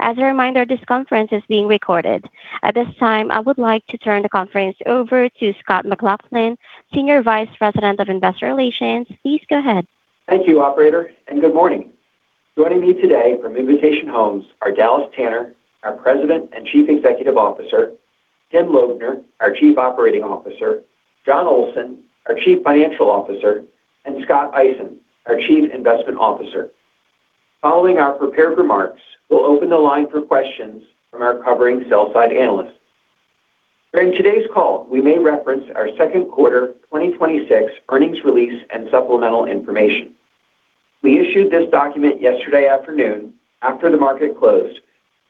As a reminder, this conference is being recorded. At this time, I would like to turn the conference over to Scott McLaughlin, Senior Vice President of Investor Relations. Please go ahead. Thank you, operator, and good morning. Joining me today from Invitation Homes are Dallas Tanner, our President and Chief Executive Officer, Tim Lobner, our Chief Operating Officer, Jon Olsen, our Chief Financial Officer, and Scott Eisen, our Chief Investment Officer. Following our prepared remarks, we'll open the line for questions from our covering sell-side analysts. During today's call, we may reference our second quarter 2026 earnings release and supplemental information. We issued this document yesterday afternoon after the market closed,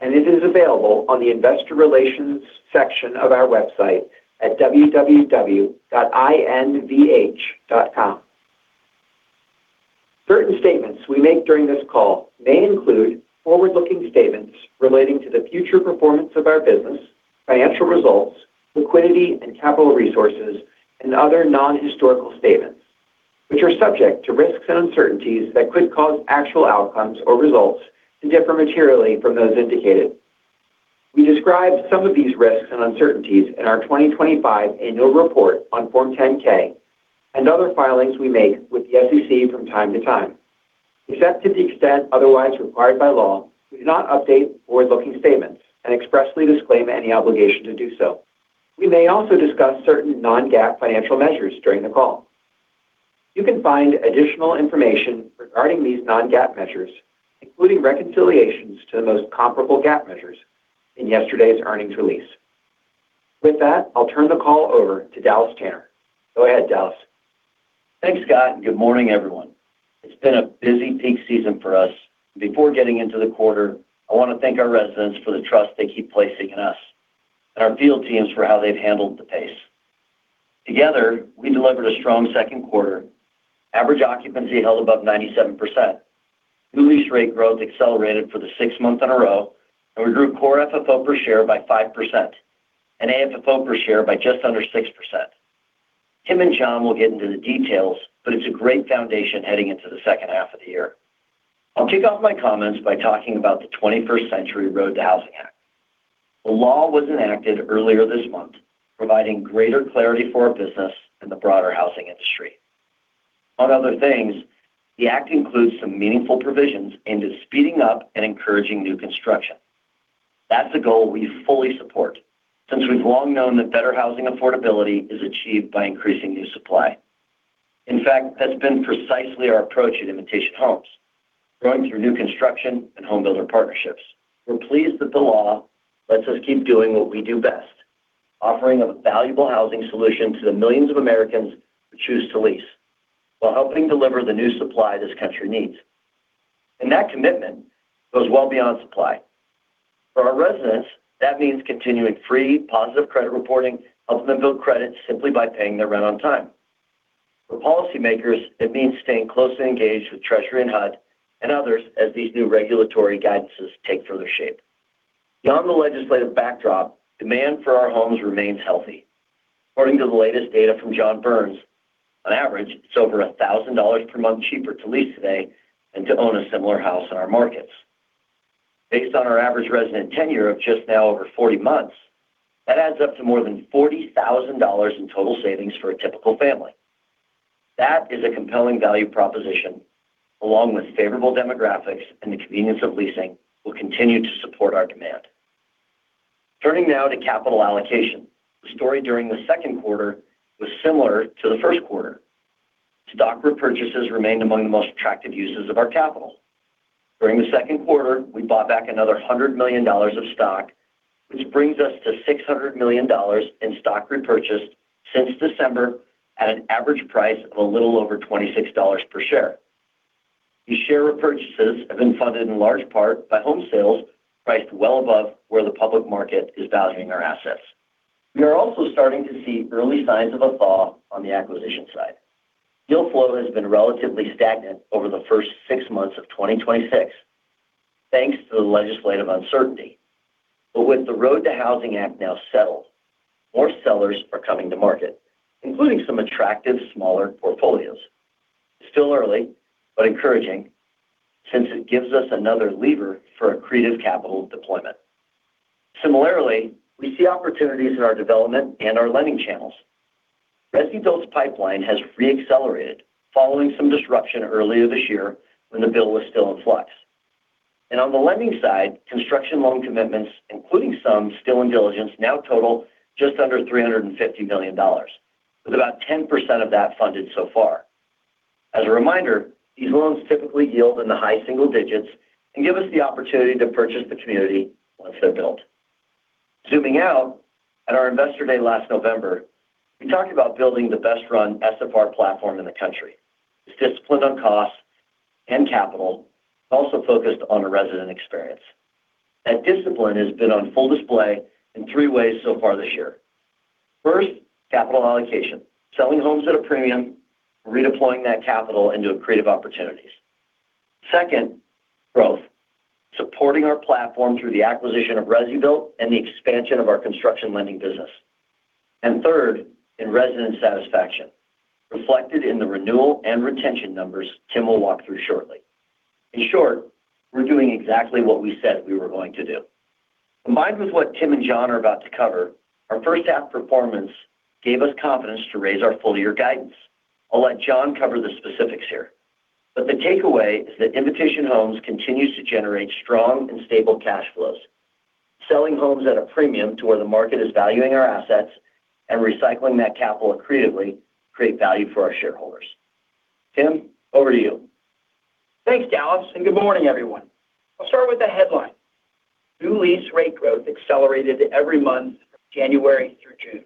and it is available on the Investor Relations section of our website at www.invh.com. Certain statements we make during this call may include forward-looking statements relating to the future performance of our business, financial results, liquidity and capital resources, and other non-historical statements, which are subject to risks and uncertainties that could cause actual outcomes or results to differ materially from those indicated. We describe some of these risks and uncertainties in our 2025 Annual Report on Form 10-K and other filings we make with the SEC from time to time. Except to the extent otherwise required by law, we do not update forward-looking statements and expressly disclaim any obligation to do so. We may also discuss certain non-GAAP financial measures during the call. You can find additional information regarding these non-GAAP measures, including reconciliations to the most comparable GAAP measures, in yesterday's earnings release. With that, I'll turn the call over to Dallas Tanner. Go ahead, Dallas. Thanks, Scott, and good morning, everyone. It's been a busy peak season for us. Before getting into the quarter, I want to thank our residents for the trust they keep placing in us and our field teams for how they've handled the pace. Together, we delivered a strong second quarter. Average occupancy held above 97%. New lease rate growth accelerated for the sixth month in a row, and we grew core FFO per share by 5% and AFFO per share by just under 6%. Tim and Jon will get into the details, but it's a great foundation heading into the second half of the year. I'll kick off my comments by talking about the 21st Century ROAD to Housing Act. The law was enacted earlier this month, providing greater clarity for our business and the broader housing industry. Among other things, the act includes some meaningful provisions into speeding up and encouraging new construction. That's a goal we fully support, since we've long known that better housing affordability is achieved by increasing new supply. In fact, that's been precisely our approach at Invitation Homes, growing through new construction and home builder partnerships. We're pleased that the law lets us keep doing what we do best, offering a valuable housing solution to the millions of Americans who choose to lease while helping deliver the new supply this country needs. That commitment goes well beyond supply. For our residents, that means continuing free positive credit reporting, helping them build credit simply by paying their rent on time. For policymakers, it means staying closely engaged with Treasury and HUD and others as these new regulatory guidances take further shape. Beyond the legislative backdrop, demand for our homes remains healthy. According to the latest data from John Burns, on average, it's over $1,000 per month cheaper to lease today than to own a similar house in our markets. Based on our average resident tenure of just now over 40 months, that adds up to more than $40,000 in total savings for a typical family. That is a compelling value proposition, along with favorable demographics and the convenience of leasing will continue to support our demand. Turning now to capital allocation. The story during the second quarter was similar to the first quarter. Stock repurchases remained among the most attractive uses of our capital. During the second quarter, we bought back another $100 million of stock, which brings us to $600 million in stock repurchased since December at an average price of a little over $26 per share. These share repurchases have been funded in large part by home sales priced well above where the public market is valuing our assets. We are also starting to see early signs of a thaw on the acquisition side. Deal flow has been relatively stagnant over the first six months of 2026, thanks to the legislative uncertainty. With the ROAD to Housing Act now settled, more sellers are coming to market, including some attractive smaller portfolios. It's still early, but encouraging, since it gives us another lever for accretive capital deployment. Similarly, we see opportunities in our development and our lending channels. ResiBuilt's pipeline has re-accelerated following some disruption earlier this year when the bill was still in flux. On the lending side, construction loan commitments, including some still in diligence, now total just under $350 million, with about 10% of that funded so far. As a reminder, these loans typically yield in the high single digits and give us the opportunity to purchase the community once they're built. Zooming out, at our Investor Day last November, we talked about building the best-run SFR platform in the country. It's disciplined on cost and capital, but also focused on the resident experience. That discipline has been on full display in three ways so far this year. First, capital allocation, selling homes at a premium, redeploying that capital into accretive opportunities. Second, growth, supporting our platform through the acquisition of ResiBuilt and the expansion of our construction lending business. Third, in resident satisfaction, reflected in the renewal and retention numbers Tim will walk through shortly. In short, we're doing exactly what we said we were going to do. Combined with what Tim and Jon are about to cover, our first-half performance gave us confidence to raise our full-year guidance. I'll let Jon cover the specifics here. The takeaway is that Invitation Homes continues to generate strong and stable cash flows, selling homes at a premium to where the market is valuing our assets and recycling that capital creatively create value for our shareholders. Tim, over to you. Thanks, Dallas, and good morning, everyone. I'll start with the headline. New lease rate growth accelerated every month, January through June,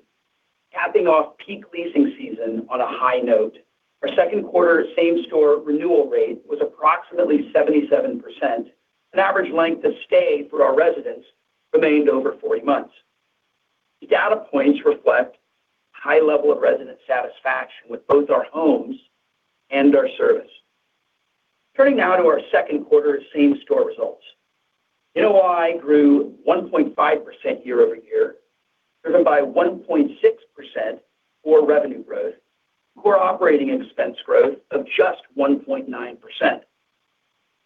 capping off peak leasing season on a high note. Our second quarter same-store renewal rate was approximately 77%. An average length of stay for our residents remained over 40 months. The data points reflect high level of resident satisfaction with both our homes and our service. Turning now to our second quarter same-store results. NOI grew 1.5% year-over-year, driven by 1.6% core revenue growth, core operating expense growth of just 1.9%.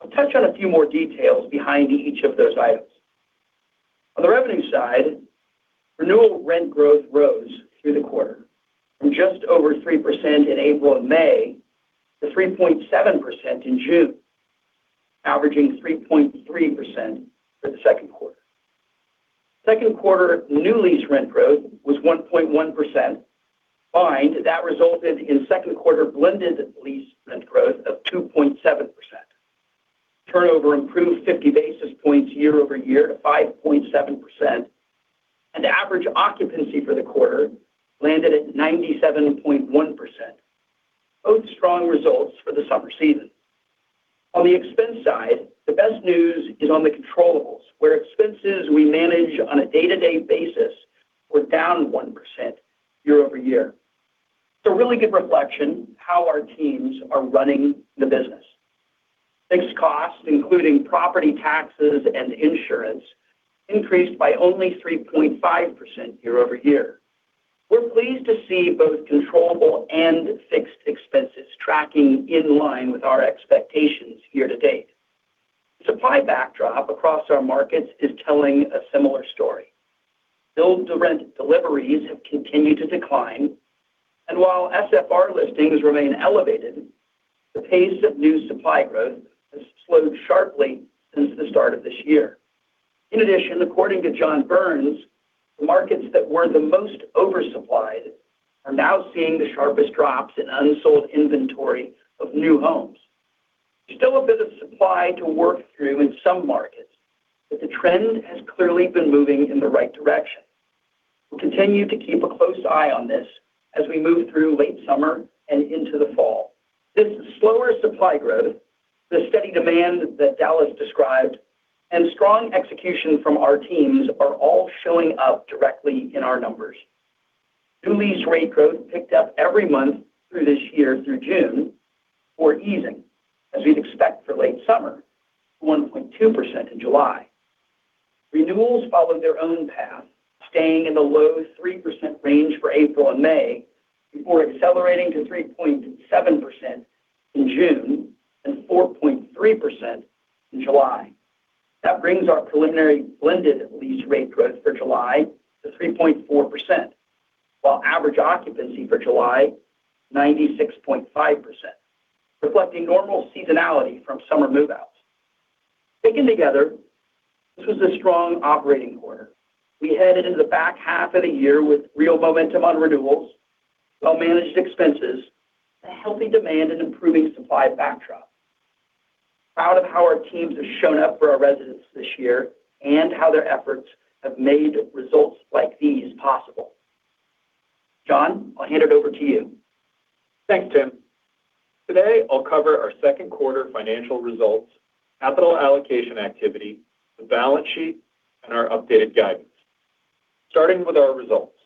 I'll touch on a few more details behind each of those items. On the revenue side, renewal rent growth rose through the quarter from just over 3% in April and May to 3.7% in June, averaging 3.3% for the second quarter. Second quarter new lease rent growth was 1.1%, combined, that resulted in second quarter blended lease rent growth of 2.7%. Turnover improved 50 basis points year-over-year to 5.7%, and average occupancy for the quarter landed at 97.1%. Both strong results for the summer season. On the expense side, the best news is on the controllables, where expenses we manage on a day-to-day basis were down 1% year-over-year. It's a really good reflection how our teams are running the business. Fixed costs, including property taxes and insurance, increased by only 3.5% year-over-year. We're pleased to see both controllable and fixed expenses tracking in line with our expectations year to date. Supply backdrop across our markets is telling a similar story. Build-to-rent deliveries have continued to decline. While SFR listings remain elevated, the pace of new supply growth has slowed sharply since the start of this year. In addition, according to John Burns, the markets that were the most oversupplied are now seeing the sharpest drops in unsold inventory of new homes. There's still a bit of supply to work through in some markets, the trend has clearly been moving in the right direction. We'll continue to keep a close eye on this as we move through late summer and into the fall. This slower supply growth, the steady demand that Dallas described, and strong execution from our teams are all showing up directly in our numbers. New lease rate growth picked up every month through this year through June before easing, as we'd expect for late summer, 1.2% in July. Renewals followed their own path, staying in the low 3% range for April and May before accelerating to 3.7% in June and 4.3% in July. That brings our preliminary blended lease rate growth for July to 3.4%, while average occupancy for July, 96.5%, reflecting normal seasonality from summer move-outs. Taken together, this was a strong operating quarter. We headed into the back half of the year with real momentum on renewals, well-managed expenses, a healthy demand, and improving supply backdrop. Proud of how our teams have shown up for our residents this year and how their efforts have made results like these possible. Jon, I'll hand it over to you. Thanks, Tim. Today, I'll cover our second quarter financial results, capital allocation activity, the balance sheet, and our updated guidance. Starting with our results.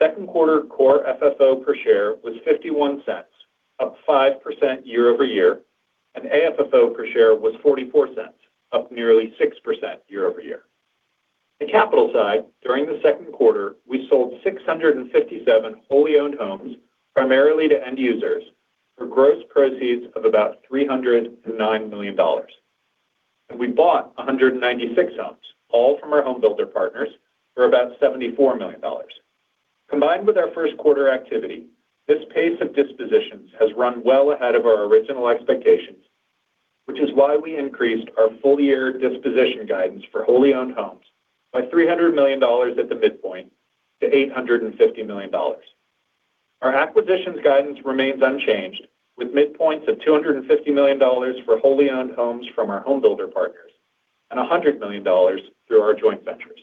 Second quarter core FFO per share was $0.51, up 5% year-over-year, and AFFO per share was $0.44, up nearly 6% year-over-year. On the capital side, during the second quarter, we sold 657 wholly-owned homes, primarily to end users, for gross proceeds of about $309 million. We bought 196 homes, all from our home builder partners, for about $74 million. Combined with our first quarter activity, this pace of dispositions has run well ahead of our original expectations, which is why we increased our full-year disposition guidance for wholly-owned homes by $300 million at the midpoint to $850 million. Our acquisitions guidance remains unchanged, with midpoints of $250 million for wholly-owned homes from our home builder partners and $100 million through our joint ventures.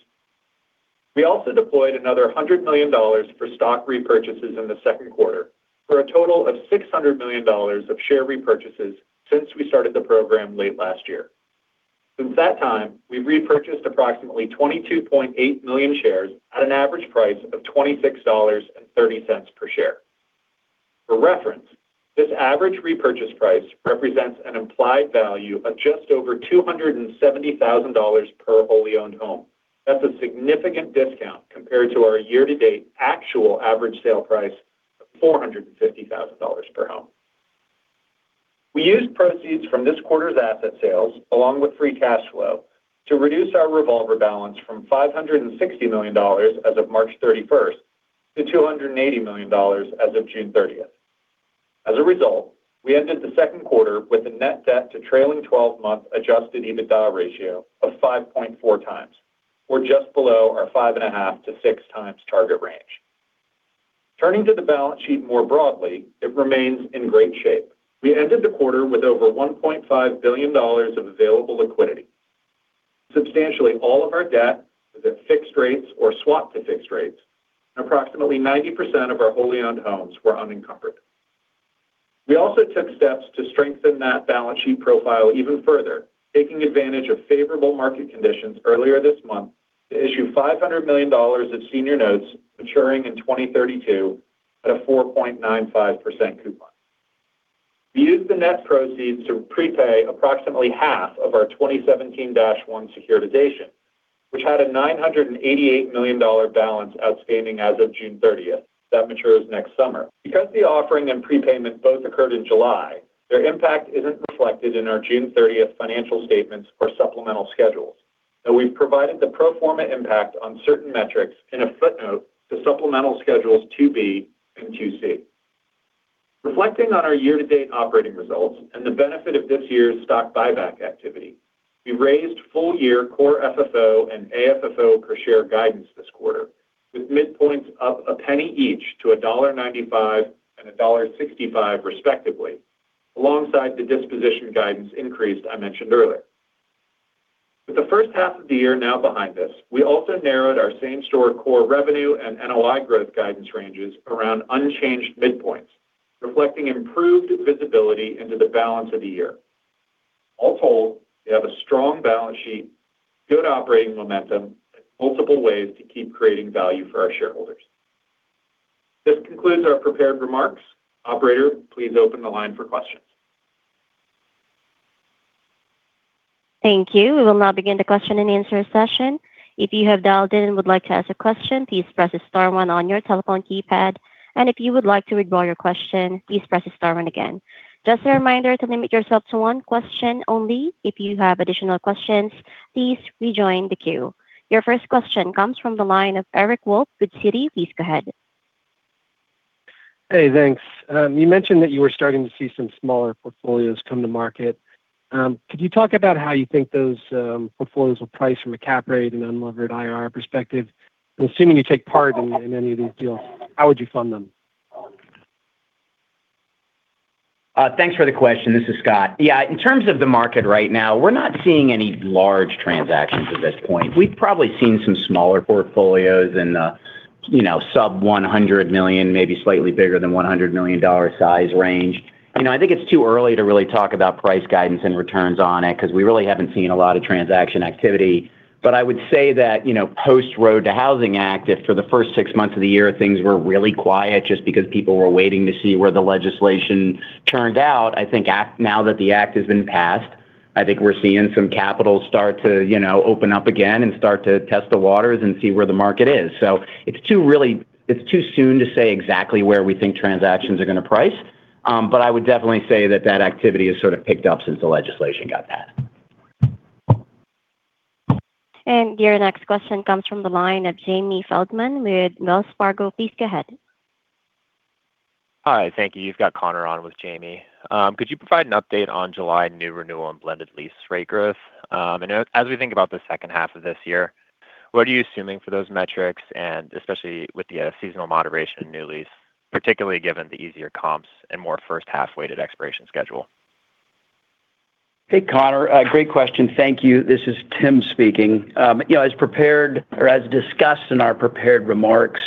We also deployed another $100 million for stock repurchases in the second quarter for a total of $600 million of share repurchases since we started the program late last year. Since that time, we've repurchased approximately 22.8 million shares at an average price of $26.30 per share. For reference, this average repurchase price represents an implied value of just over $270,000 per wholly-owned home. That's a significant discount compared to our year-to-date actual average sale price of $450,000 per home. We used proceeds from this quarter's asset sales, along with free cash flow, to reduce our revolver balance from $560 million as of March 31st to $280 million as of June 30th. We ended the second quarter with a net debt to trailing 12-month adjusted EBITDA ratio of 5.4x, or just below our 5.5x-6x target range. Turning to the balance sheet more broadly, it remains in great shape. We ended the quarter with over $1.5 billion of available liquidity. Substantially all of our debt is at fixed rates or swapped to fixed rates, and approximately 90% of our wholly-owned homes were unencumbered. We also took steps to strengthen that balance sheet profile even further, taking advantage of favorable market conditions earlier this month to issue $500 million of senior notes maturing in 2032 at a 4.95% coupon. We used the net proceeds to prepay approximately half of our 2017-1 securitization, which had a $988 million balance outstanding as of June 30th. That matures next summer. Because the offering and prepayment both occurred in July, their impact isn't reflected in our June 30th financial statements or supplemental schedules. We've provided the pro forma impact on certain metrics in a footnote to supplemental schedules 2B and 2C. Reflecting on our year-to-date operating results and the benefit of this year's stock buyback activity, we raised full-year core FFO and AFFO per share guidance this quarter with midpoints up $0.01 each to $1.95 and $1.65 respectively, alongside the disposition guidance increase I mentioned earlier. With the first half of the year now behind us, we also narrowed our same-store core revenue and NOI growth guidance ranges around unchanged midpoints, reflecting improved visibility into the balance of the year. All told, we have a strong balance sheet, good operating momentum, and multiple ways to keep creating value for our shareholders. This concludes our prepared remarks. Operator, please open the line for questions. Thank you. We will now begin the question and answer session. If you have dialed in and would like to ask a question, please press star one on your telephone keypad. If you would like to withdraw your question, please press star one again. Just a reminder to limit yourself to one question only. If you have additional questions, please rejoin the queue. Your first question comes from the line of Eric Wolfe with Citi. Please go ahead. Hey, thanks. You mentioned that you were starting to see some smaller portfolios come to market. Could you talk about how you think those portfolios will price from a cap rate and unlevered IRR perspective? Assuming you take part in any of these deals, how would you fund them? Thanks for the question. This is Scott. In terms of the market right now, we're not seeing any large transactions at this point. We've probably seen some smaller portfolios in the sub-$100 million, maybe slightly bigger than $100 million size range. I think it's too early to really talk about price guidance and returns on it because we really haven't seen a lot of transaction activity. I would say that post ROAD to Housing Act, if for the first six months of the year things were really quiet just because people were waiting to see where the legislation turned out. I think now that the act has been passed, I think we're seeing some capital start to open up again and start to test the waters and see where the market is. It's too soon to say exactly where we think transactions are going to price, but I would definitely say that activity has sort of picked up since the legislation got passed. Your next question comes from the line of Jamie Feldman with Wells Fargo. Please go ahead. Hi, thank you. You've got Connor on with Jamie. Could you provide an update on July new renewal and blended lease rate growth? As we think about the second half of this year, what are you assuming for those metrics, and especially with the seasonal moderation new lease, particularly given the easier comps and more first-half-weighted expiration schedule? Hey, Connor. Great question. Thank you. This is Tim speaking. As prepared or as discussed in our prepared remarks,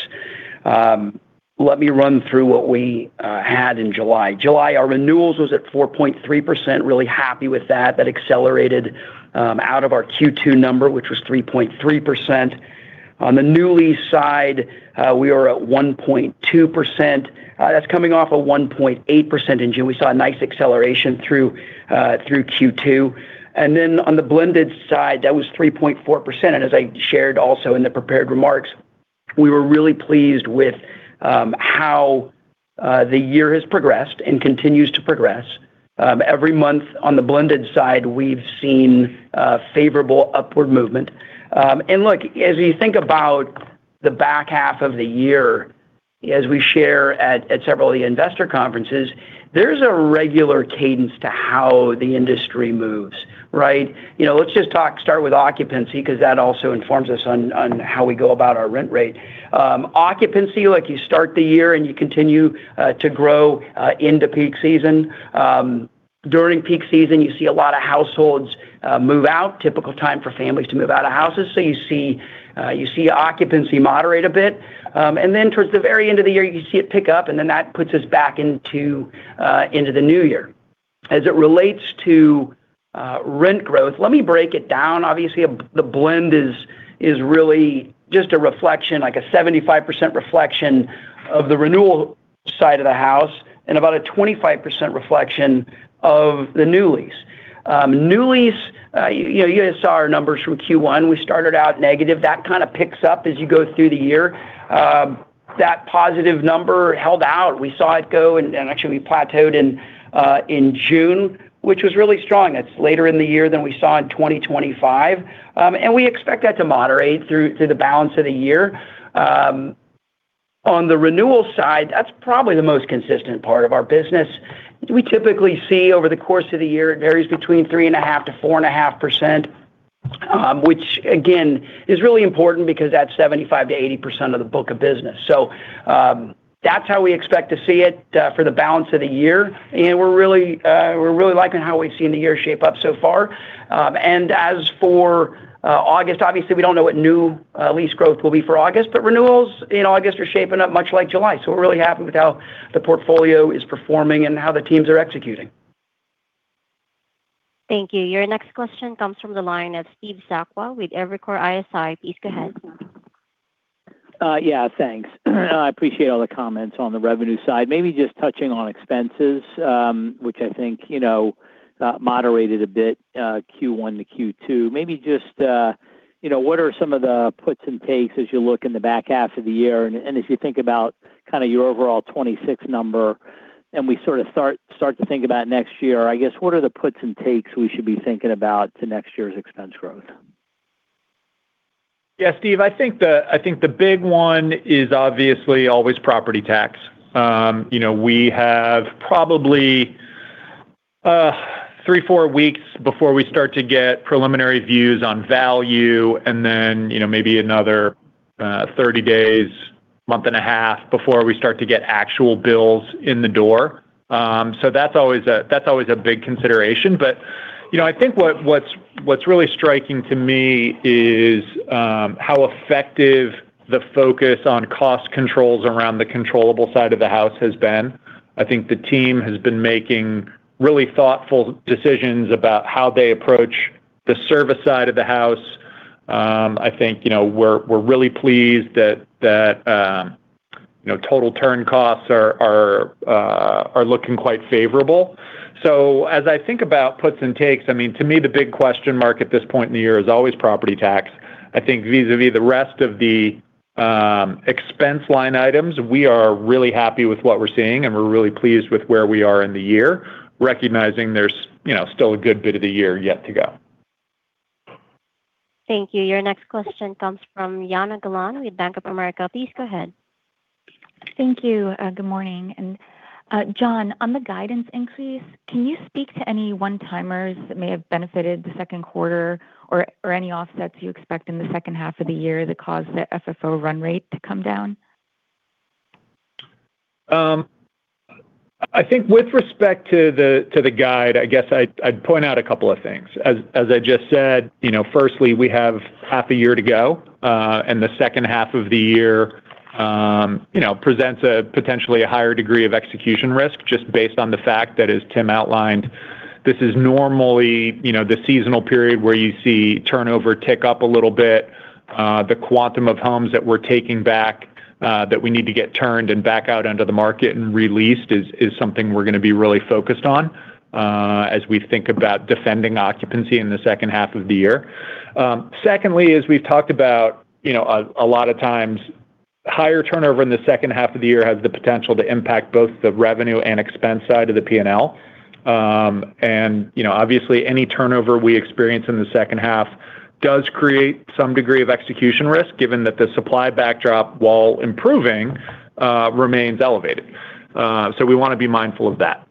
let me run through what we had in July. July, our renewals was at 4.3%, really happy with that. That accelerated out of our Q2 number, which was 3.3%. On the new lease side, we are at 1.2%. That's coming off a 1.8% in June. We saw a nice acceleration through Q2. On the blended side, that was 3.4%. As I shared also in the prepared remarks, we were really pleased with how the year has progressed and continues to progress. Every month on the blended side, we've seen favorable upward movement. Look, as you think about the back half of the year, as we share at several of the investor conferences, there's a regular cadence to how the industry moves, right? Let's just start with occupancy because that also informs us on how we go about our rent rate. Occupancy, you start the year and you continue to grow into peak season. During peak season, you see a lot of households move out. Typical time for families to move out of houses. You see occupancy moderate a bit. Towards the very end of the year, you see it pick up, that puts us back into the new year. As it relates to rent growth, let me break it down. Obviously, the blend is really just a reflection, like a 75% reflection of the renewal side of the house, and about a 25% reflection of the new lease. New lease, you guys saw our numbers from Q1. We started out negative. That kind of picks up as you go through the year. That positive number held out. We saw it go, and actually we plateaued in June, which was really strong. That's later in the year than we saw in 2025. We expect that to moderate through the balance of the year. On the renewal side, that's probably the most consistent part of our business. We typically see over the course of the year, it varies between 3.5%-4.5%, which again, is really important because that's 75%-80% of the book of business. That's how we expect to see it for the balance of the year, and we're really liking how we've seen the year shape up so far. As for August, obviously, we don't know what new lease growth will be for August, but renewals in August are shaping up much like July. We're really happy with how the portfolio is performing and how the teams are executing. Thank you. Your next question comes from the line of Steve Sakwa with Evercore ISI. Please go ahead. Yeah, thanks. I appreciate all the comments on the revenue side. Maybe just touching on expenses, which I think moderated a bit Q1 to Q2. Maybe just what are some of the puts and takes as you look in the back half of the year, and as you think about kind of your overall 2026 number, and we sort of start to think about next year? I guess, what are the puts and takes we should be thinking about to next year's expense growth? Yeah, Steve, I think the big one is obviously always property tax. We have probably three, four weeks before we start to get preliminary views on value and then maybe another 30 days, month and a half before we start to get actual bills in the door. That's always a big consideration. I think what's really striking to me is how effective the focus on cost controls around the controllable side of the house has been. I think the team has been making really thoughtful decisions about how they approach the service side of the house. I think we're really pleased that total turn costs are looking quite favorable. As I think about puts and takes, to me, the big question mark at this point in the year is always property tax. I think vis-a-vis the rest of the expense line items, we are really happy with what we're seeing, and we're really pleased with where we are in the year, recognizing there's still a good bit of the year yet to go. Thank you. Your next question comes from Jana Galan with Bank of America. Please go ahead. Thank you. Good morning. Jon, on the guidance increase, can you speak to any one-timers that may have benefited the second quarter or any offsets you expect in the second half of the year that caused the FFO run rate to come down? I think with respect to the guide, I guess I'd point out a couple of things. As I just said, firstly, we have half a year to go. The second half of the year presents potentially a higher degree of execution risk, just based on the fact that, as Tim outlined, this is normally the seasonal period where you see turnover tick up a little bit. The quantum of homes that we're taking back, that we need to get turned and back out into the market and released is something we're going to be really focused on, as we think about defending occupancy in the second half of the year. Secondly, as we've talked about, a lot of times, higher turnover in the second half of the year has the potential to impact both the revenue and expense side of the P&L. Obviously, any turnover we experience in the second half does create some degree of execution risk, given that the supply backdrop, while improving, remains elevated. We want to be mindful of that.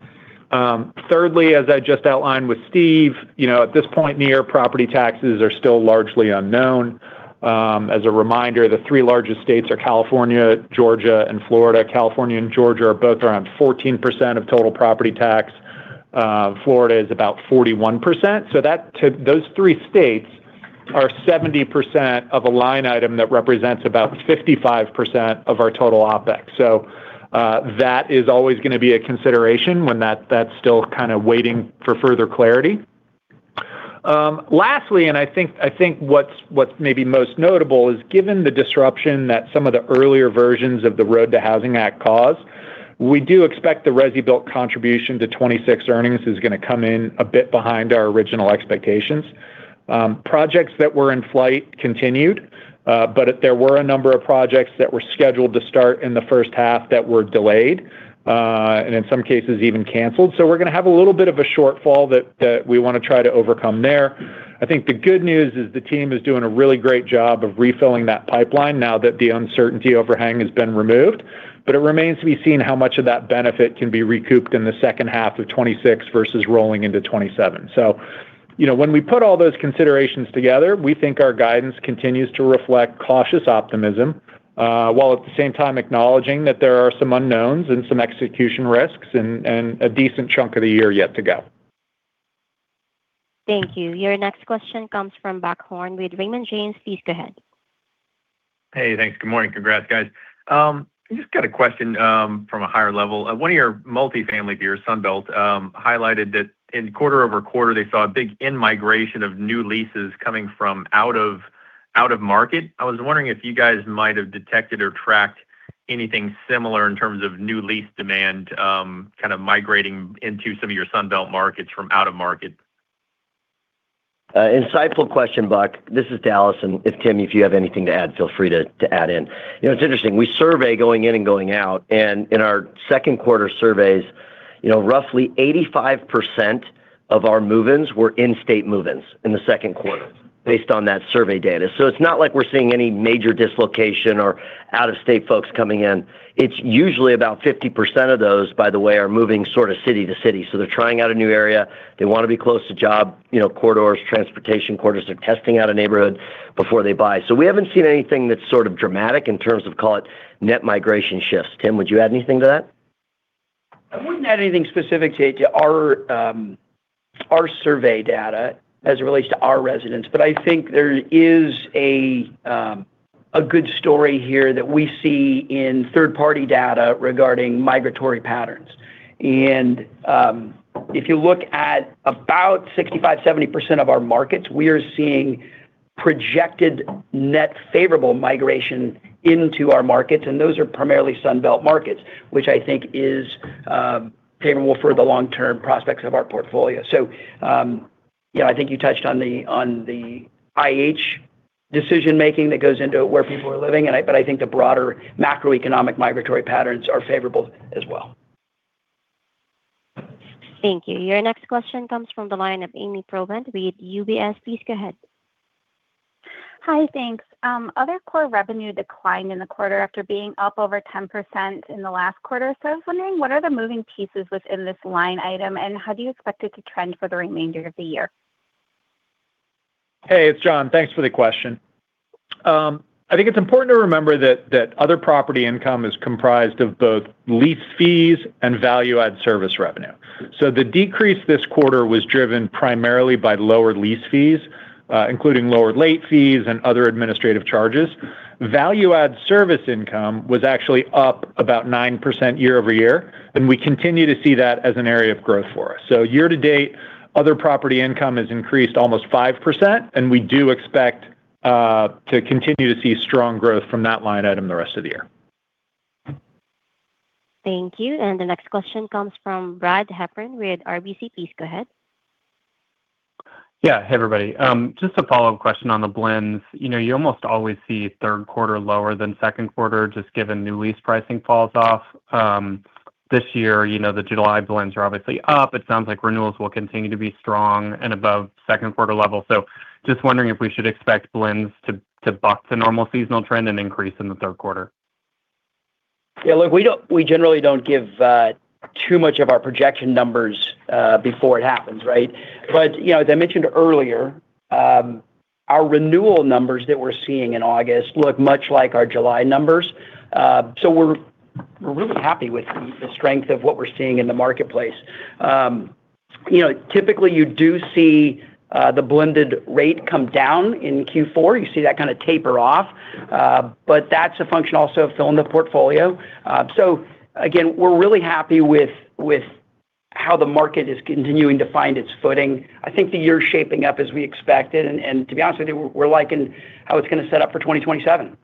Thirdly, as I just outlined with Steve, at this point in the year, property taxes are still largely unknown. As a reminder, the three largest states are California, Georgia and Florida. California and Georgia are both around 14% of total property tax. Florida is about 41%. Those three states are 70% of a line item that represents about 55% of our total OpEx. That is always going to be a consideration when that's still kind of waiting for further clarity. What's maybe most notable is given the disruption that some of the earlier versions of the ROAD to Housing Act caused, we do expect the ResiBuilt contribution to 2026 earnings is going to come in a bit behind our original expectations. Projects that were in flight continued, there were a number of projects that were scheduled to start in the first half that were delayed, and in some cases even canceled. We're going to have a little bit of a shortfall that we want to try to overcome there. The good news is the team is doing a really great job of refilling that pipeline now that the uncertainty overhang has been removed. It remains to be seen how much of that benefit can be recouped in the second half of 2026 versus rolling into 2027. When we put all those considerations together, we think our guidance continues to reflect cautious optimism, while at the same time acknowledging that there are some unknowns and some execution risks and a decent chunk of the year yet to go. Thank you. Your next question comes from Buck Horne with Raymond James. Please go ahead. Thanks. Good morning. Congrats, guys. A question from a higher level. One of your multifamily peers, Sun Belt, highlighted that in quarter-over-quarter, they saw a big in-migration of new leases coming from out of market. If you guys might have detected or tracked anything similar in terms of new lease demand, kind of migrating into some of your Sun Belt markets from out of market. Insightful question, Buck. This is Dallas, and Tim, if you have anything to add, feel free to add in. It's interesting. We survey going in and going out, and in our second quarter surveys, roughly 85% of our move-ins were in-state move-ins in the second quarter based on that survey data. It's not like we're seeing any major dislocation or out-of-state folks coming in. It's usually about 50% of those, by the way, are moving sort of city to city. They're trying out a new area. They want to be close to job corridors, transportation corridors. They're testing out a neighborhood before they buy. We haven't seen anything that's sort of dramatic in terms of, call it, net migration shifts. Tim, would you add anything to that? I wouldn't add anything specific to our survey data as it relates to our residents. If you look at about 65%, 70% of our markets, we are seeing projected net favorable migration into our markets, and those are primarily Sun Belt markets, which I think is favorable for the long-term prospects of our portfolio. I think you touched on the IH decision making that goes into where people are living, I think the broader macroeconomic migratory patterns are favorable as well. Thank you. Your next question comes from the line of Ami Probandt with UBS. Please go ahead. Hi, thanks. Other core revenue declined in the quarter after being up over 10% in the last quarter. I was wondering, what are the moving pieces within this line item, and how do you expect it to trend for the remainder of the year? Hey, it's Jon. Thanks for the question. I think it's important to remember that other property income is comprised of both lease fees and value-add service revenue. The decrease this quarter was driven primarily by lower lease fees, including lower late fees and other administrative charges. Value-add service income was actually up about 9% year-over-year, and we continue to see that as an area of growth for us. Year-to-date, other property income has increased almost 5%, and we do expect to continue to see strong growth from that line item the rest of the year. Thank you. The next question comes from Brad Heffern with RBC. Please go ahead. Yeah. Hey, everybody. Just a follow-up question on the blends. You almost always see third quarter lower than second quarter, just given new lease pricing falls off. This year, the July blends are obviously up. It sounds like renewals will continue to be strong and above second quarter level. Just wondering if we should expect blends to buck the normal seasonal trend and increase in the third quarter. Yeah, look, we generally don't give too much of our projection numbers before it happens, right? As I mentioned earlier, our renewal numbers that we're seeing in August look much like our July numbers. We're really happy with the strength of what we're seeing in the marketplace. Typically, you do see the blended rate come down in Q4. You see that kind of taper off. That's a function also of filling the portfolio. Again, we're really happy with how the market is continuing to find its footing. I think the year's shaping up as we expected, and to be honest with you, we're liking how it's going to set up for 2027.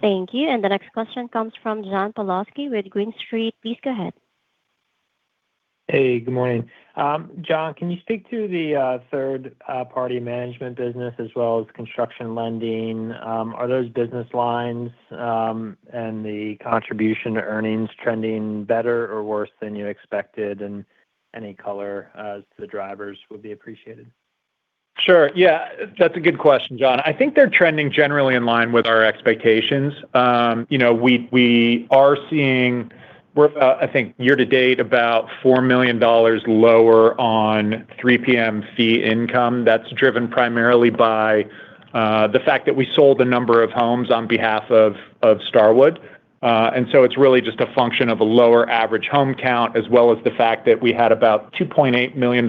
Thank you. The next question comes from John Pawlowski with Green Street. Please go ahead. Hey, good morning. Jon, can you speak to the third-party management business as well as construction lending? Are those business lines and the contribution to earnings trending better or worse than you expected? Any color as to the drivers would be appreciated. Sure. Yeah. That's a good question, John. I think they're trending generally in line with our expectations. We are seeing, I think year-to-date, about $4 million lower on 3PM fee income. That's driven primarily by the fact that we sold a number of homes on behalf of Starwood. It's really just a function of a lower average home count, as well as the fact that we had about $2.8 million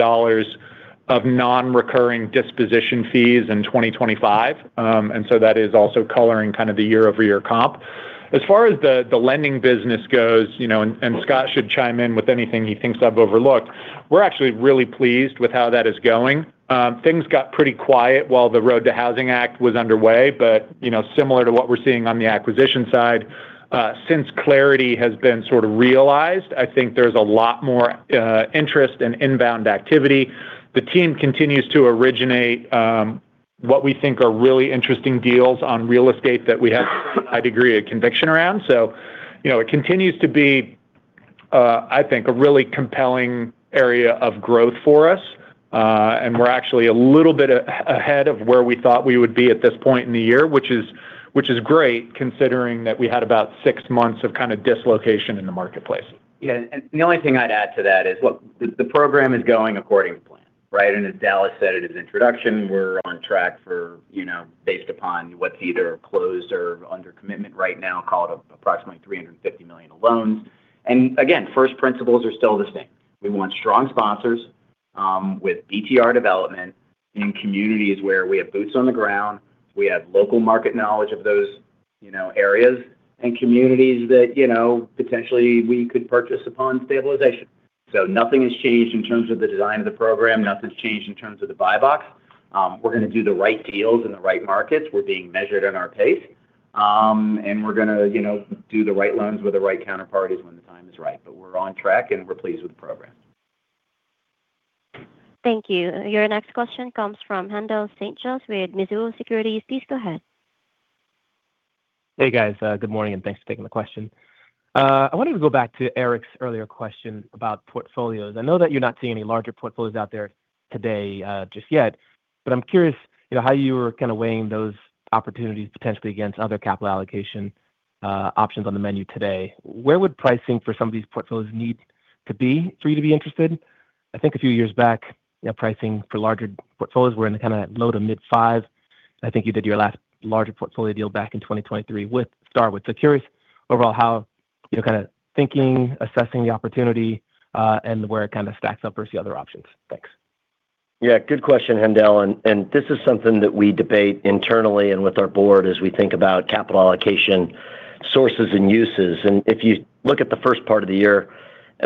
of non-recurring disposition fees in 2025. That is also coloring kind of the year-over-year comp. As far as the lending business goes, Scott should chime in with anything he thinks I've overlooked, we're actually really pleased with how that is going. Things got pretty quiet while the ROAD to Housing Act was underway. Similar to what we're seeing on the acquisition side, since clarity has been sort of realized, I think there's a lot more interest and inbound activity. The team continues to originate what we think are really interesting deals on real estate that we have a high degree of conviction around. It continues to be, I think, a really compelling area of growth for us. We're actually a little bit ahead of where we thought we would be at this point in the year, which is great considering that we had about six months of kind of dislocation in the marketplace. Yeah, the only thing I'd add to that is, look, the program is going according to plan. Right, as Dallas said in his introduction, we're on track for, based upon what's either closed or under commitment right now, call it approximately $350 million of loans. Again, first principles are still the same. We want strong sponsors with BTR development in communities where we have boots on the ground, we have local market knowledge of those areas and communities that potentially we could purchase upon stabilization. Nothing has changed in terms of the design of the program. Nothing's changed in terms of the buy box. We're going to do the right deals in the right markets. We're being measured in our pace. We're going to do the right loans with the right counterparties when the time is right. We're on track, and we're pleased with the program. Thank you. Your next question comes from Haendel St. Juste with Mizuho Securities. Please go ahead. Hey, guys. Good morning, thanks for taking the question. I wanted to go back to Eric's earlier question about portfolios. I know that you're not seeing any larger portfolios out there today just yet, but I'm curious how you are weighing those opportunities potentially against other capital allocation options on the menu today. Where would pricing for some of these portfolios need to be for you to be interested? I think a few years back, pricing for larger portfolios were in the low to mid five. I think you did your last larger portfolio deal back in 2023 with Starwood. Curious overall how you're thinking, assessing the opportunity, and where it stacks up versus the other options. Thanks. Yeah, good question, Haendel, this is something that we debate internally and with our board as we think about capital allocation sources and uses. If you look at the first part of the year,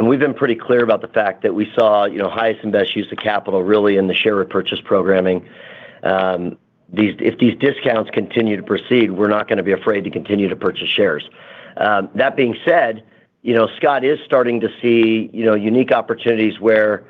we've been pretty clear about the fact that we saw highest and best use of capital really in the share repurchase programming. If these discounts continue to proceed, we're not going to be afraid to continue to purchase shares. That being said, Scott is starting to see unique opportunities where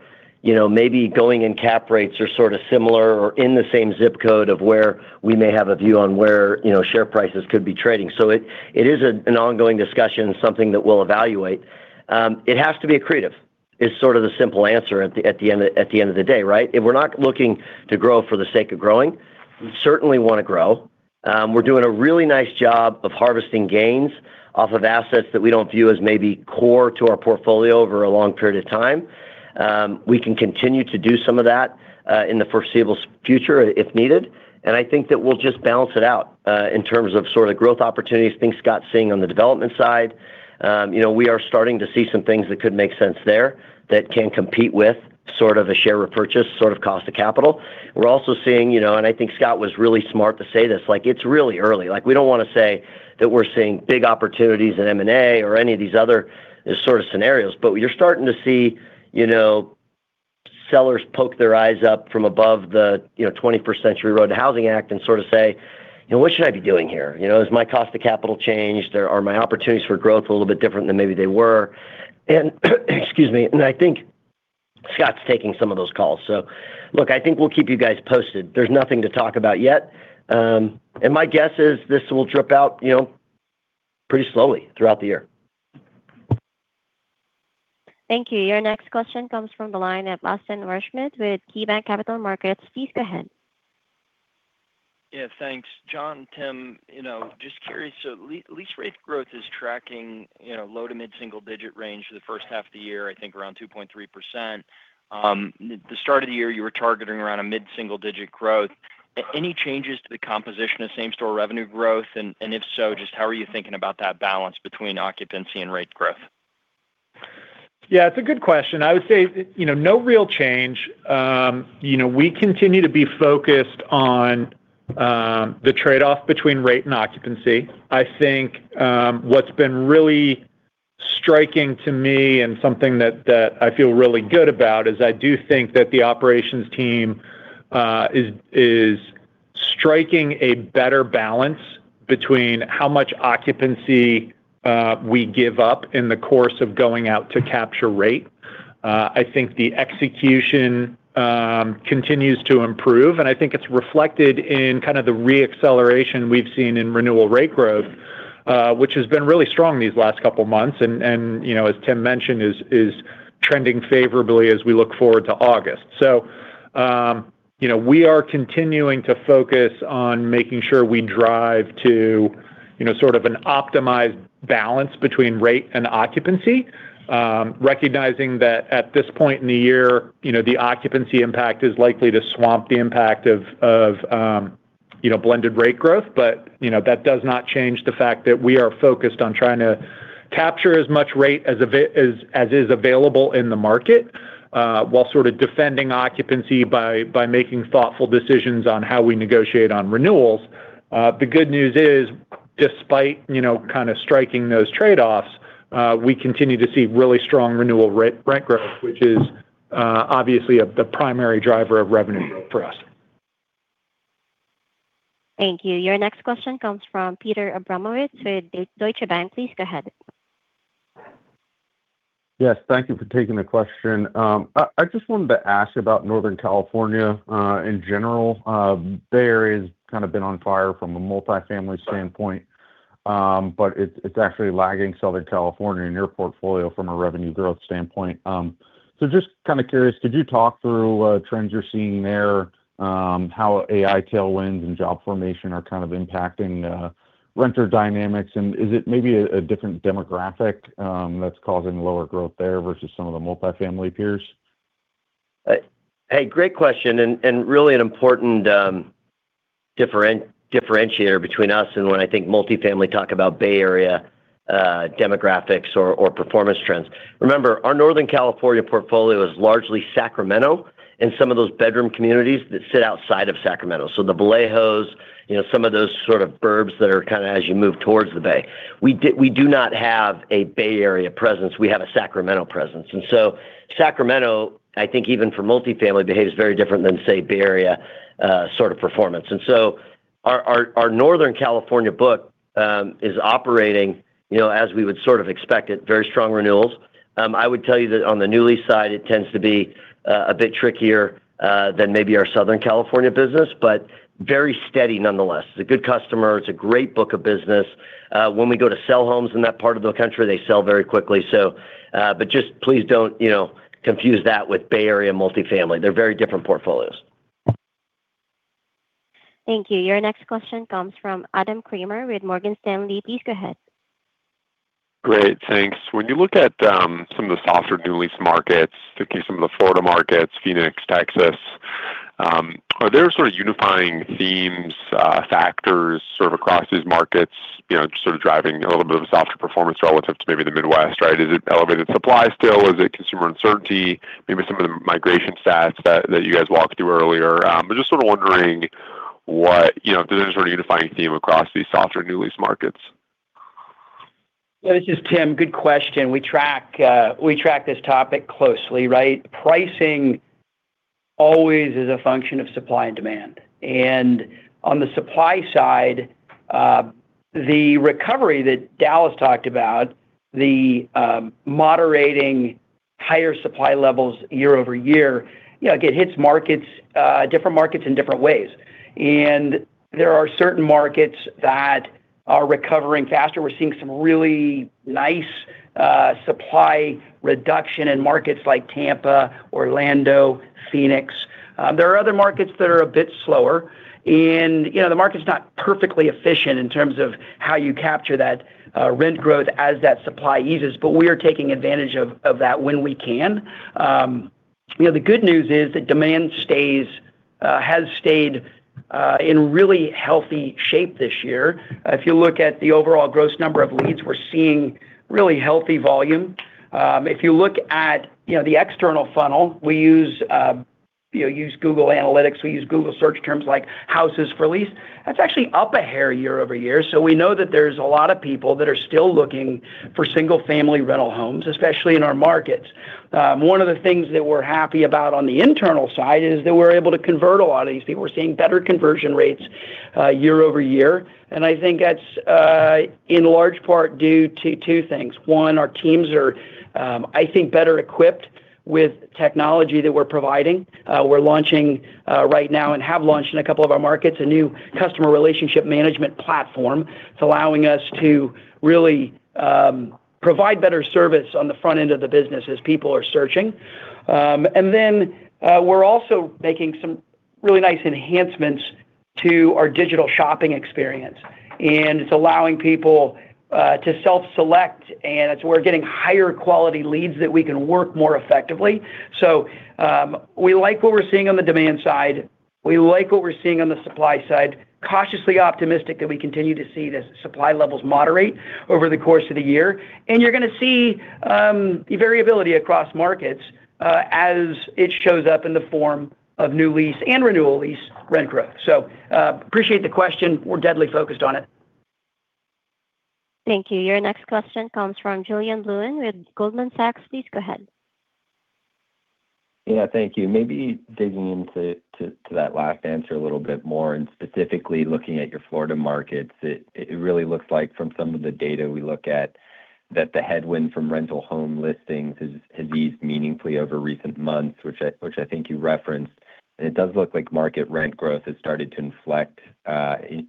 maybe going in cap rates are sort of similar or in the same zip code of where we may have a view on where share prices could be trading. It is an ongoing discussion, something that we'll evaluate. It has to be accretive is sort of the simple answer at the end of the day, right? We're not looking to grow for the sake of growing. We certainly want to grow. We're doing a really nice job of harvesting gains off of assets that we don't view as maybe core to our portfolio over a long period of time. We can continue to do some of that in the foreseeable future if needed, I think that we'll just balance it out, in terms of sort of growth opportunities, things Scott's seeing on the development side. We are starting to see some things that could make sense there that can compete with sort of a share repurchase sort of cost of capital. We're also seeing, I think Scott was really smart to say this, it's really early. We don't want to say that we're seeing big opportunities in M&A or any of these other sort of scenarios, you're starting to see sellers poke their eyes up from above the 21st Century ROAD to Housing Act and sort of say, "What should I be doing here? Has my cost of capital changed? Are my opportunities for growth a little bit different than maybe they were?" Excuse me, I think Scott's taking some of those calls. Look, I think we'll keep you guys posted. Nothing to talk about yet. My guess is this will drip out pretty slowly throughout the year. Thank you. Your next question comes from the line at Austin Wurschmidt with KeyBanc Capital Markets. Please go ahead. Yeah, thanks. Jon, Tim, just curious. Lease rate growth is tracking low to mid single digit range for the first half of the year, I think around 2.3%. The start of the year, you were targeting around a mid-single digit growth. Any changes to the composition of same-store revenue growth? If so, just how are you thinking about that balance between occupancy and rate growth? Yeah, it's a good question. I would say no real change. We continue to be focused on the trade-off between rate and occupancy. I think what's been really striking to me and something that I feel really good about is I do think that the operations team is striking a better balance between how much occupancy we give up in the course of going out to capture rate. I think the execution continues to improve, and I think it's reflected in kind of the re-acceleration we've seen in renewal rate growth, which has been really strong these last couple of months and, as Tim mentioned, is trending favorably as we look forward to August. We are continuing to focus on making sure we drive to sort of an optimized balance between rate and occupancy. Recognizing that at this point in the year, the occupancy impact is likely to swamp the impact of blended rate growth. That does not change the fact that we are focused on trying to capture as much rate as is available in the market, while sort of defending occupancy by making thoughtful decisions on how we negotiate on renewals. The good news is, despite kind of striking those trade-offs, we continue to see really strong renewal rent growth, which is obviously the primary driver of revenue growth for us. Thank you. Your next question comes from Peter Abramowitz with Deutsche Bank. Please go ahead. Yes. Thank you for taking the question. I just wanted to ask about Northern California in general. That area has kind of been on fire from a multifamily standpoint, but it's actually lagging Southern California in your portfolio from a revenue growth standpoint. Just kind of curious, could you talk through trends you're seeing there, how AI tailwinds and job formation are kind of impacting renter dynamics? Is it maybe a different demographic that's causing lower growth there versus some of the multifamily peers? Hey, great question. Really an important differentiator between us and when, I think, multifamily talk about Bay Area demographics or performance trends. Remember, our Northern California portfolio is largely Sacramento and some of those bedroom communities that sit outside of Sacramento. The Vallejo, some of those sort of burbs that are kind of as you move towards the Bay. We do not have a Bay Area presence. We have a Sacramento presence. Sacramento, I think even for multifamily, behaves very different than, say, Bay Area sort of performance. Our Northern California book is operating as we would sort of expect it, very strong renewals. I would tell you that on the newly side, it tends to be a bit trickier than maybe our Southern California business, but very steady nonetheless. It's a good customer. It's a great book of business. When we go to sell homes in that part of the country, they sell very quickly. Just please don't confuse that with Bay Area multifamily. They're very different portfolios. Thank you. Your next question comes from Adam Kramer with Morgan Stanley. Please go ahead. Great. Thanks. When you look at some of the softer new lease markets, particularly some of the Florida markets, Phoenix, Texas, are there sort of unifying themes, factors sort of across these markets, sort of driving a little bit of a softer performance relative to maybe the Midwest, right? Is it elevated supply still? Is it consumer uncertainty? Maybe some of the migration stats that you guys walked through earlier. Just sort of wondering if there's a sort of unifying theme across these softer new lease markets. Yeah. This is Tim. Good question. We track this topic closely, right? Pricing always is a function of supply and demand. On the supply side, the recovery that Dallas talked about, the moderating higher supply levels year-over-year, it hits different markets in different ways. There are certain markets that are recovering faster. We're seeing some really nice supply reduction in markets like Tampa, Orlando, Phoenix. There are other markets that are a bit slower, and the market's not perfectly efficient in terms of how you capture that rent growth as that supply eases, but we are taking advantage of that when we can. The good news is that demand has stayed in really healthy shape this year. If you look at the overall gross number of leads, we're seeing really healthy volume. If you look at the external funnel, we use Google Analytics, we use Google search terms like houses for lease. That's actually up a hair year-over-year. We know that there's a lot of people that are still looking for single-family rental homes, especially in our markets. One of the things that we're happy about on the internal side is that we're able to convert a lot of these people. We're seeing better conversion rates year-over-year, and I think that's in large part due to two things. One, our teams are, I think, better equipped with technology that we're providing. We're launching right now and have launched in a couple of our markets a new customer relationship management platform. It's allowing us to really provide better service on the front end of the business as people are searching. We're also making some really nice enhancements to our digital shopping experience, and it's allowing people to self-select, and we're getting higher quality leads that we can work more effectively. We like what we're seeing on the demand side. We like what we're seeing on the supply side. Cautiously optimistic that we continue to see the supply levels moderate over the course of the year. You're going to see variability across markets as it shows up in the form of new lease and renewal lease rent growth. Appreciate the question. We're deadly focused on it. Thank you. Your next question comes from Julien Blouin with Goldman Sachs. Please go ahead. Yeah, thank you. Maybe digging into that last answer a little bit more and specifically looking at your Florida markets, it really looks like from some of the data we look at that the headwind from rental home listings has eased meaningfully over recent months, which I think you referenced, and it does look like market rent growth has started to inflect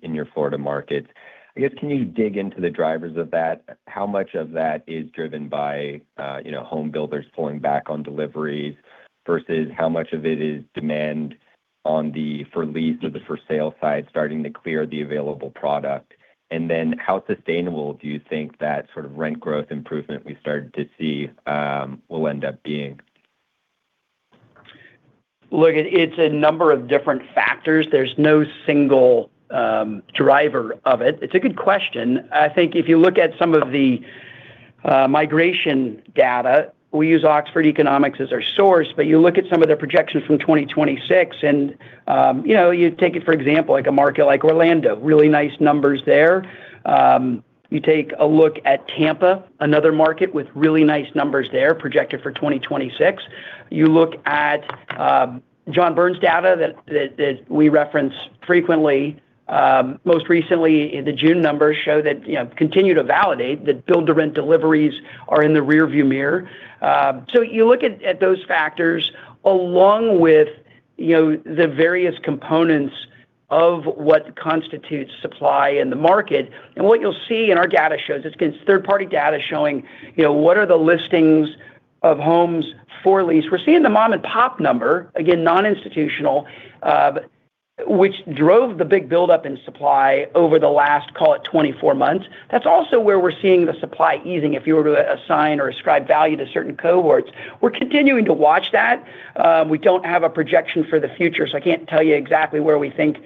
in your Florida markets. I guess, can you dig into the drivers of that? How much of that is driven by home builders pulling back on deliveries versus how much of it is demand on the for lease or the for sale side starting to clear the available product? How sustainable do you think that sort of rent growth improvement we started to see will end up being? Look, it's a number of different factors. There's no single driver of it. It's a good question. I think if you look at some of the migration data, we use Oxford Economics as our source, but you look at some of their projections from 2026 and you take it, for example, like a market like Orlando, really nice numbers there. You take a look at Tampa, another market with really nice numbers there projected for 2026. You look at John Burns data that we reference frequently. Most recently, the June numbers continue to validate that build-to-rent deliveries are in the rearview mirror. You look at those factors along with the various components of what constitutes supply in the market. What you'll see in our data shows, it's third-party data showing what are the listings of homes for lease. We're seeing the mom-and-pop number, again, non-institutional which drove the big buildup in supply over the last, call it, 24 months. That's also where we're seeing the supply easing, if you were to assign or ascribe value to certain cohorts. We're continuing to watch that. We don't have a projection for the future, so I can't tell you exactly where we think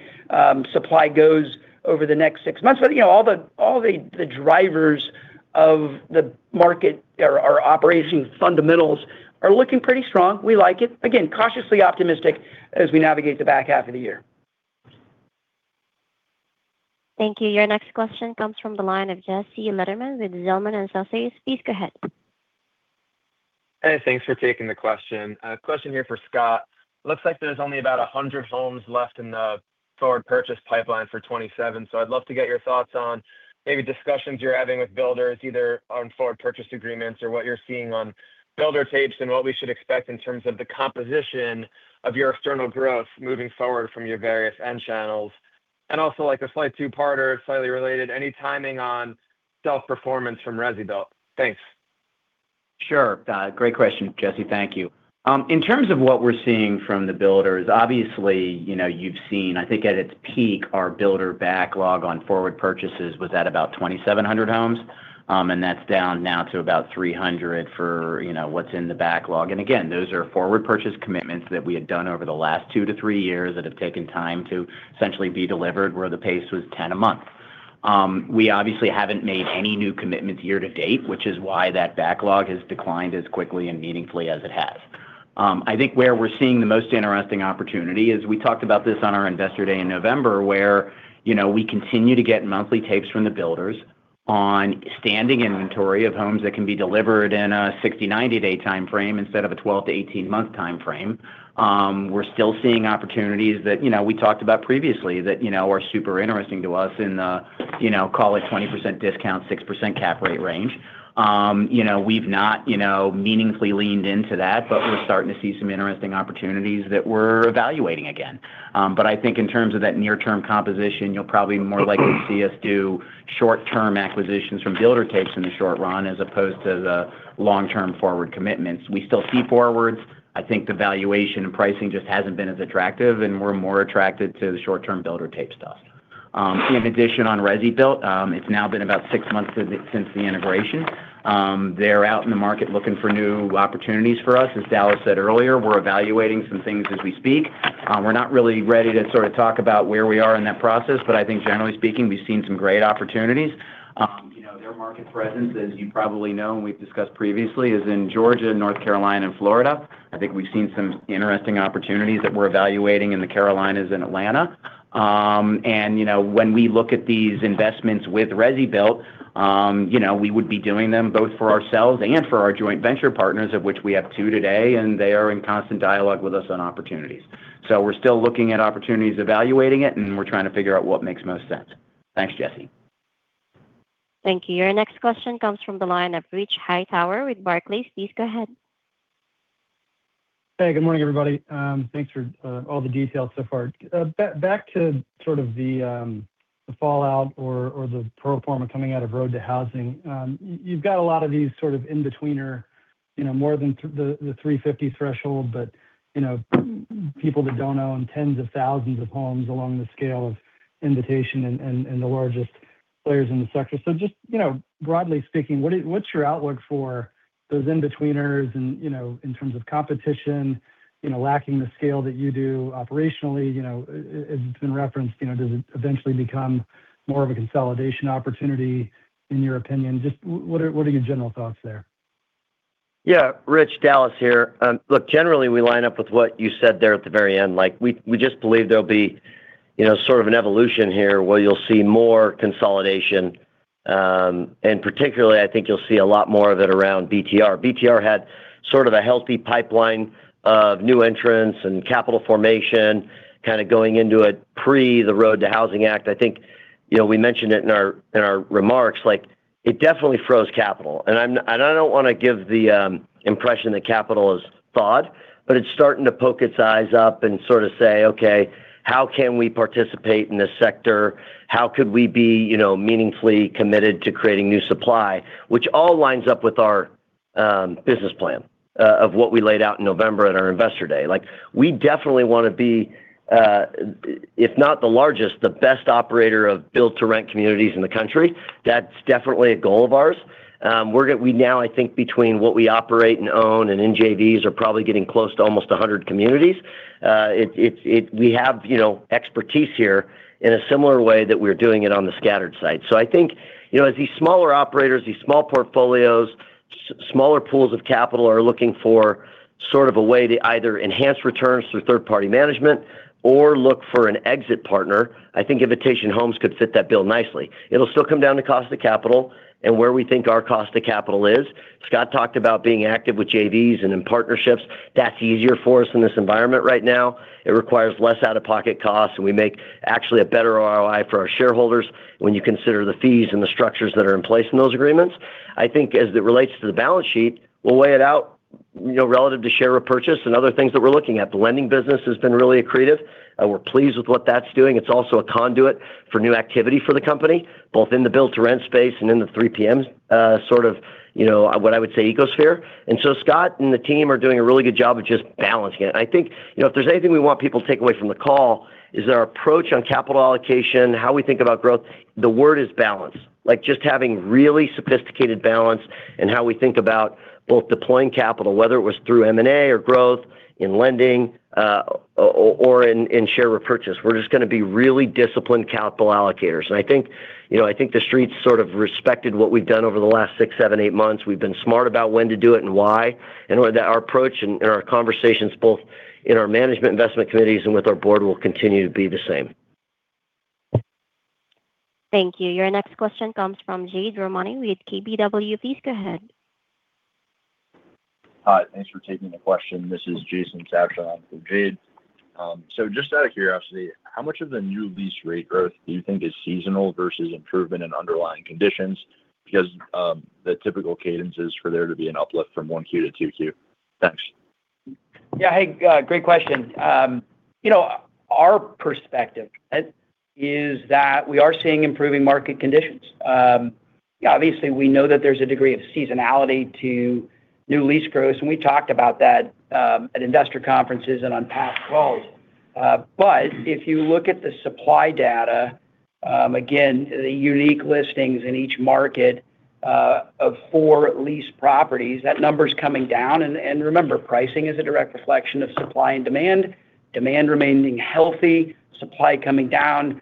supply goes over the next six months. All the drivers of the market or our operating fundamentals are looking pretty strong. We like it. Again, cautiously optimistic as we navigate the back half of the year. Thank you. Your next question comes from the line of Jesse Lederman with Zelman & Associates. Please go ahead. Hey, thanks for taking the question. A question here for Scott. Looks like there's only about 100 homes left in the forward purchase pipeline for 2027. I'd love to get your thoughts on maybe discussions you're having with builders, either on forward purchase agreements or what you're seeing on builder takes, and what we should expect in terms of the composition of your external growth moving forward from your various end channels. Also a slight two-parter, slightly related, any timing on self-performance from ResiBuilt? Thanks. Sure. Great question, Jesse. Thank you. In terms of what we're seeing from the builders, obviously, you've seen, I think at its peak, our builder backlog on forward purchases was at about 2,700 homes. That's down now to about 300 for what's in the backlog. Again, those are forward purchase commitments that we had done over the last two to three years that have taken time to essentially be delivered where the pace was 10 a month. We obviously haven't made any new commitments year-to-date, which is why that backlog has declined as quickly and meaningfully as it has. I think where we're seeing the most interesting opportunity is, we talked about this on our Investor Day in November, where we continue to get monthly takes from the builders on standing inventory of homes that can be delivered in a 60, 90-day timeframe instead of a 12 to 18-month timeframe. We're still seeing opportunities that we talked about previously that are super interesting to us in the, call it, 20% discount, 6% cap rate range. We've not meaningfully leaned into that, but we're starting to see some interesting opportunities that we're evaluating again. I think in terms of that near-term composition, you'll probably more likely see us do short-term acquisitions from builder takes in the short run, as opposed to the long-term forward commitments. We still see forwards. I think the valuation and pricing just hasn't been as attractive, and we're more attracted to the short-term builder take stuff. In addition on ResiBuilt, it's now been about six months since the integration. They're out in the market looking for new opportunities for us. As Dallas said earlier, we're evaluating some things as we speak. We're not really ready to talk about where we are in that process, but I think generally speaking, we've seen some great opportunities. Their market presence, as you probably know and we've discussed previously, is in Georgia, North Carolina, and Florida. I think we've seen some interesting opportunities that we're evaluating in the Carolinas and Atlanta. When we look at these investments with ResiBuilt, we would be doing them both for ourselves and for our joint venture partners, of which we have two today, and they are in constant dialogue with us on opportunities. We're still looking at opportunities, evaluating it, and we're trying to figure out what makes most sense. Thanks, Jesse. Thank you. Your next question comes from the line of Rich Hightower with Barclays. Please go ahead. Hey, good morning, everybody. Thanks for all the details so far. Back to sort of the fallout or the pro forma coming out of ROAD to Housing. You've got a lot of these sort of in-betweener, more than the 350 threshold, but people that don't own tens of thousands of homes along the scale of Invitation and the largest players in the sector. Just broadly speaking, what's your outlook for those in-betweeners in terms of competition, lacking the scale that you do operationally? As it's been referenced, does it eventually become more of a consolidation opportunity in your opinion? Just what are your general thoughts there? Yeah. Rich, Dallas here. Look, generally, we line up with what you said there at the very end. We just believe there'll be sort of an evolution here where you'll see more consolidation. Particularly, I think you'll see a lot more of it around BTR. BTR had sort of a healthy pipeline of new entrants and capital formation kind of going into it pre the ROAD to Housing Act. I think we mentioned it in our remarks. It definitely froze capital. I don't want to give the impression that capital is thawed, but it's starting to poke its eyes up and sort of say, "Okay, how can we participate in this sector? How could we be meaningfully committed to creating new supply?" Which all lines up with our business plan of what we laid out in November at our Investor Day. We definitely want to be, if not the largest, the best operator of build-to-rent communities in the country. That's definitely a goal of ours. We now, I think between what we operate and own and in JVs, are probably getting close to almost 100 communities. We have expertise here in a similar way that we're doing it on the scattered site. I think as these smaller operators, these small portfolios, smaller pools of capital are looking for sort of a way to either enhance returns through third-party management or look for an exit partner, I think Invitation Homes could fit that bill nicely. It'll still come down to cost of capital and where we think our cost of capital is. Scott talked about being active with JVs and in partnerships. That's easier for us in this environment right now. It requires less out-of-pocket costs, and we make actually a better ROI for our shareholders when you consider the fees and the structures that are in place in those agreements. I think as it relates to the balance sheet, we'll weigh it out relative to share repurchase and other things that we're looking at, the lending business has been really accretive, and we're pleased with what that's doing. It's also a conduit for new activity for the company, both in the build-to-rent space and in the 3PM, sort of, what I would say ecosphere. Scott and the team are doing a really good job of just balancing it. I think if there's anything we want people to take away from the call, is that our approach on capital allocation, how we think about growth, the word is balance. Just having really sophisticated balance in how we think about both deploying capital, whether it was through M&A or growth in lending, or in share repurchase. We're just going to be really disciplined capital allocators. I think the Street's sort of respected what we've done over the last six, seven, eight months. We've been smart about when to do it and why, and our approach and our conversations both in our management investment committees and with our board will continue to be the same. Thank you. Your next question comes from Jade Rahmani with KBW. Please go ahead. Hi, thanks for taking the question. This is Jason Sabshon in for Jade. Just out of curiosity, how much of the new lease rate growth do you think is seasonal versus improvement in underlying conditions? Because the typical cadence is for there to be an uplift from 1Q to 2Q. Thanks. Yeah. Hey, great question. Our perspective is that we are seeing improving market conditions. Obviously, we know that there's a degree of seasonality to new lease growth, and we talked about that at investor conferences and on past calls. If you look at the supply data, again, the unique listings in each market of for-lease properties, that number's coming down. Remember, pricing is a direct reflection of supply and demand. Demand remaining healthy, supply coming down.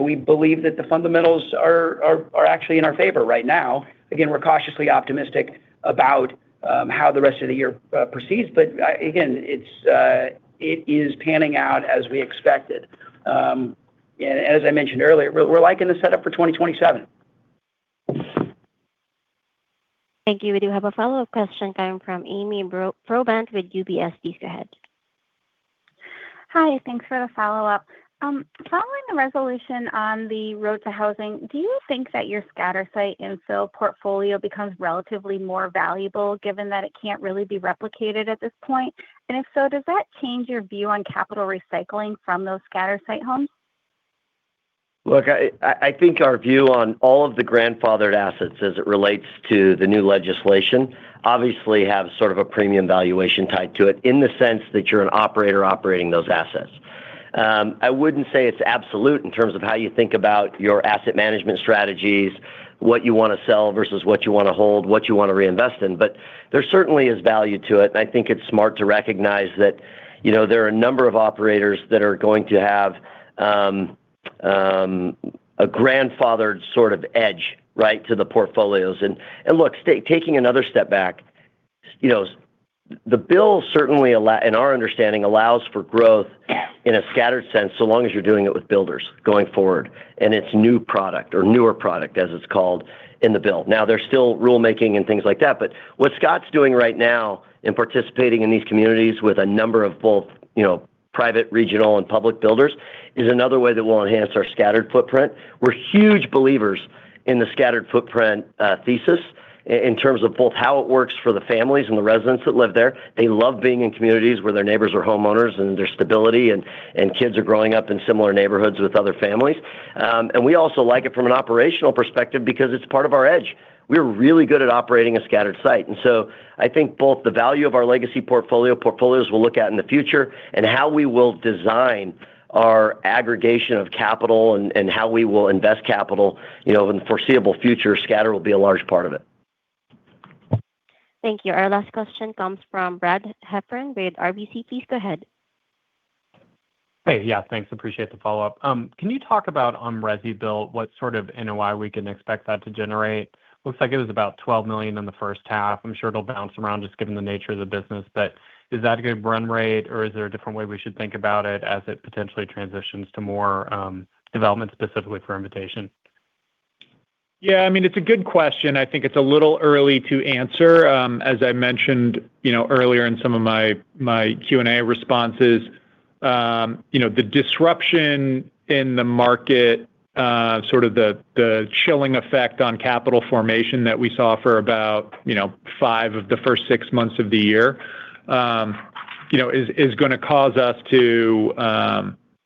We believe that the fundamentals are actually in our favor right now. Again, we're cautiously optimistic about how the rest of the year proceeds, but again, it is panning out as we expected. As I mentioned earlier, we're liking the setup for 2027. Thank you. We do have a follow-up question coming from Ami Probandt with UBS. Please go ahead. Hi, thanks for the follow-up. Following the resolution on the ROAD to Housing, do you think that your scatter site infill portfolio becomes relatively more valuable given that it can't really be replicated at this point? If so, does that change your view on capital recycling from those scatter site homes? Look, I think our view on all of the grandfathered assets as it relates to the new legislation obviously have sort of a premium valuation tied to it in the sense that you're an operator operating those assets. I wouldn't say it's absolute in terms of how you think about your asset management strategies, what you want to sell versus what you want to hold, what you want to reinvest in. There certainly is value to it, and I think it's smart to recognize that there are a number of operators that are going to have a grandfathered sort of edge to the portfolios. Look, taking another step back, the bill certainly, in our understanding, allows for growth in a scattered sense, so long as you're doing it with builders going forward, and it's new product or newer product, as it's called in the bill. There's still rule making and things like that, but what Scott's doing right now in participating in these communities with a number of both private, regional, and public builders is another way that we'll enhance our scattered footprint. We're huge believers in the scattered footprint thesis in terms of both how it works for the families and the residents that live there. They love being in communities where their neighbors are homeowners and there's stability, and kids are growing up in similar neighborhoods with other families. We also like it from an operational perspective because it's part of our edge. We're really good at operating a scattered site. I think both the value of our legacy portfolios we'll look at in the future and how we will design our aggregation of capital and how we will invest capital in the foreseeable future, scattered will be a large part of it. Thank you. Our last question comes from Brad Heffern with RBC. Please go ahead. Hey. Yeah, thanks. Appreciate the follow-up. Can you talk about on ResiBuilt, what sort of NOI we can expect that to generate? Looks like it was about $12 million in the first half. I'm sure it'll bounce around just given the nature of the business, but is that a good run rate or is there a different way we should think about it as it potentially transitions to more development specifically for Invitation? Yeah, it's a good question. I think it's a little early to answer. As I mentioned earlier in some of my Q&A responses, the disruption in the market, sort of the chilling effect on capital formation that we saw for about five of the first six months of the year is going to cause us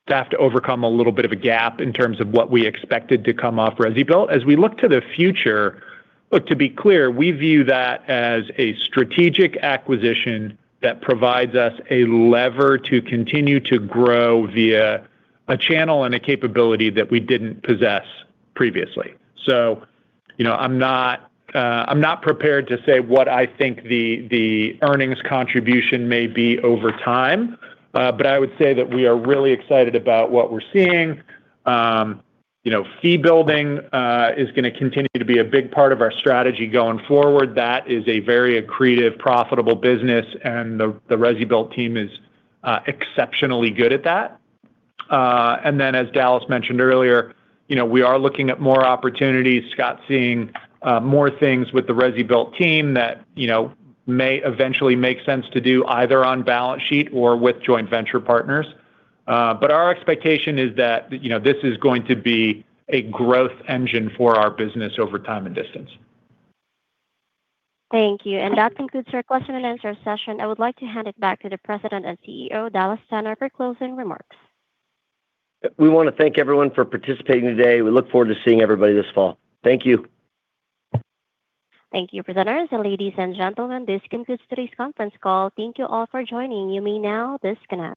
to have to overcome a little bit of a gap in terms of what we expected to come off ResiBuilt. As we look to the future, look, to be clear, we view that as a strategic acquisition that provides us a lever to continue to grow via a channel and a capability that we didn't possess previously. I'm not prepared to say what I think the earnings contribution may be over time. I would say that we are really excited about what we're seeing. Fee building is going to continue to be a big part of our strategy going forward. That is a very accretive, profitable business, and the ResiBuilt team is exceptionally good at that. As Dallas mentioned earlier, we are looking at more opportunities. Scott's seeing more things with the ResiBuilt team that may eventually make sense to do either on balance sheet or with joint venture partners. Our expectation is that this is going to be a growth engine for our business over time and distance. Thank you. That concludes our question and answer session. I would like to hand it back to the President and CEO, Dallas Tanner, for closing remarks. We want to thank everyone for participating today. We look forward to seeing everybody this fall. Thank you. Thank you, presenters. Ladies and gentlemen, this concludes today's conference call. Thank you all for joining. You may now disconnect.